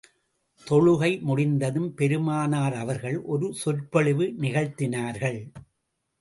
தொழுகை முடிந்ததும் பெருமானார் அவர்கள் ஒரு சொற்பொழிவு நிகழ்த்தினார்கள்.